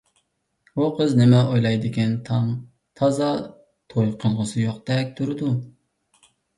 ئۇ قىز نېمە ئويلايدىكىن تاڭ، تازا توي قىلغۇسى يوقتەك تۇرىدۇ.